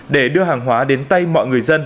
để đưa hàng hóa đến tay mọi người dân